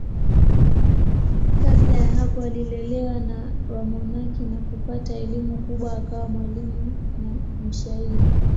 Kabla ya hapo alilelewa na wamonaki na kupata elimu kubwa akawa mwalimu na mshairi.